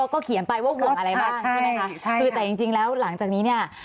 ก็เขียนไปว่าห่วงอะไรบ้างใช่ไหมคะใช่คือแต่จริงจริงแล้วหลังจากนี้เนี่ย